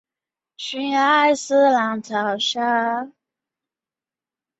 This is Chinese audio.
又当上职业演员。